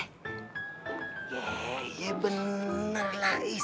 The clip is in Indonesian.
iya iya bener lah iis